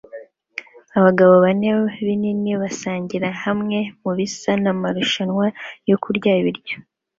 Abagabo bane binini basangira hamwe mubisa n'amarushanwa yo kurya ibiryo